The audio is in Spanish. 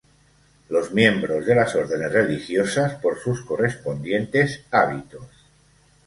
Los miembros de las órdenes religiosas, por sus correspondientes hábitos.